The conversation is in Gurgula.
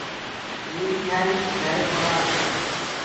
ميريٚ گھِياريٚ بيٚ گھري ڪونآ تيٚ